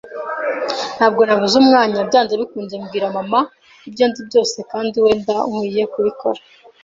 Ntabwo nabuze umwanya, byanze bikunze, mbwira mama ibyo nzi byose, kandi wenda nkwiye kubikora